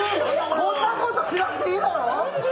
こんなことしなくていいだろ！